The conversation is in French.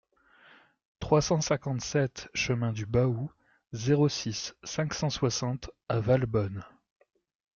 trois cent cinquante-sept chemin du Baou, zéro six, cinq cent soixante à Valbonne